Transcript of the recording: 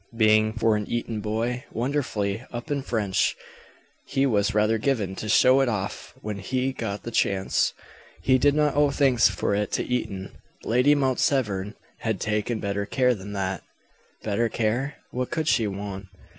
Being, for an Eton boy, wonderfully up in French, he was rather given to show it off when he got the chance. He did not owe thanks for it to Eton. Lady Mount Severn had taken better care than that. Better care? What could she want?